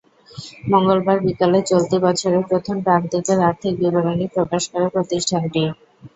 মঙ্গলবার বিকেলে চলতি বছরের প্রথম প্রান্তিকের আর্থিক বিবরণী প্রকাশ করে প্রতিষ্ঠানটি।